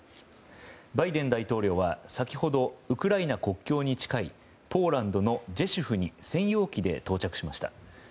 バイデン大統領は先ほど、ウクライナ国境に近いポーランドのジェシュフに専用機で到着しました。